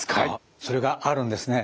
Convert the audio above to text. それがあるんですね。